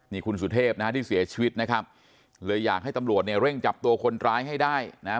นี่คุณสุเทพที่เสียชีวิตนะครับเลยอยากให้ตำรวจเร่งจับตัวคนตายให้ได้นะครับ